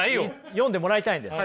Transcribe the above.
読んでもらいたいんです。